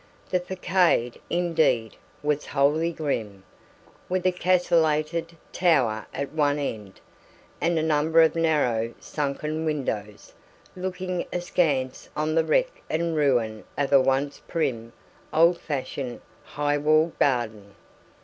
The facade, indeed, was wholly grim, with a castellated tower at one end, and a number of narrow, sunken windows looking askance on the wreck and ruin of a once prim, old fashioned, high walled garden.